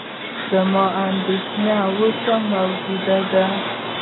زما اندېښنه اوس موجوده ده.